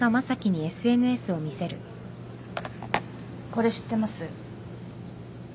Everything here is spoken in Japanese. これ知ってます？